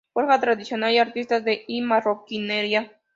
Forja tradicional y artística y marroquinería.